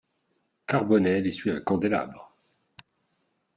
Carbonel essuie un candélabre.